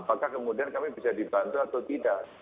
apakah kemudian kami bisa dibantu atau tidak